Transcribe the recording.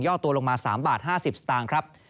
ย่อตัวลงมา๓บาท๕๐สตางค์